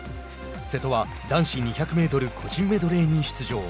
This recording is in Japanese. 瀬戸は男子２００メートル個人メドレーに出場。